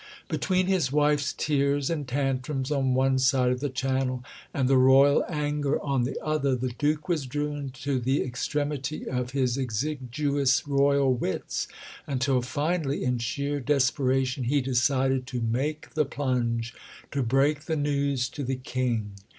Between his wife's tears and tantrums on one side of the Channel and the Royal anger on the other, the Duke was driven to the extremity of his exiguous Royal wits; until finally, in sheer desperation, he decided to make the plunge to break the news to the King.